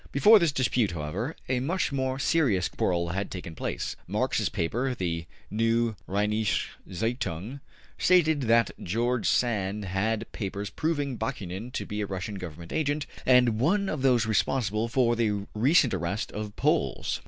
Before this dispute, however, a much more serious quarrel had taken place. Marx's paper, the ``Neue Rheinische Zeitung,'' stated that George Sand had papers proving Bakunin to be a Russian Government agent and one of those responsible for the recent arrest of Poles.